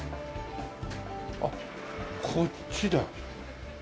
あっこっちだ。